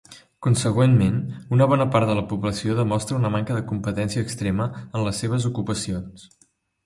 Consegüentment, una bona part de la població demostra una manca de competència extrema en les seves ocupacions.